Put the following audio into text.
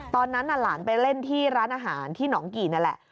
ตอนนั้นหลานไปเล่นที่ร้านอาหารที่หนองกี่นั่นแหละ